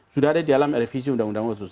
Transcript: sudah ada di dalam revisi undang undang otsus